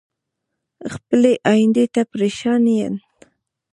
خپلې ايندی ته پریشان ين